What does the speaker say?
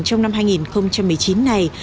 trong năm hai nghìn một mươi chín này